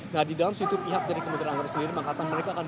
nah di dalam situ pihak dari kementerian agama sendiri mengatakan mereka akan